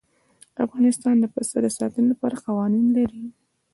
افغانستان د پسه د ساتنې لپاره قوانین لري.